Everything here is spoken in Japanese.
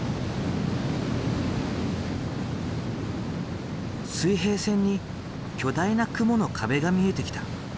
水平線に巨大な雲の壁が見えてきた。